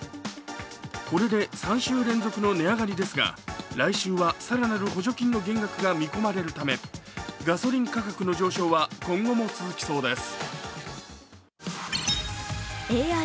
これで３週連続の値上がりですが来週は更なる補助金の減額が見込まれるため、ガソリン価格の上昇は今後も続きそうです。